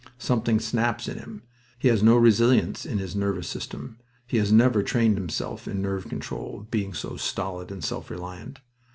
Something snaps in him. He has no resilience in his nervous system. He has never trained himself in nerve control, being so stolid and self reliant.